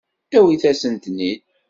Awit-asent-ten-id.